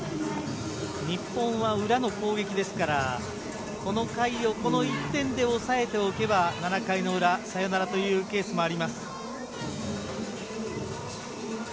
日本は裏の攻撃ですからこの回をこの１点で抑えておけば７回の裏サヨナラというケースもあります。